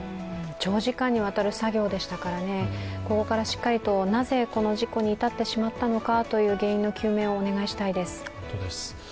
長時間にわたる作業でしたから、ここからしっかりとなぜこの事故に至ってしまったのかという原因の究明をお願いしたいです。